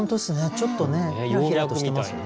ちょっとねひらひらとしてますよね。